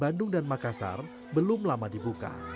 bandung dan makassar belum lama dibuka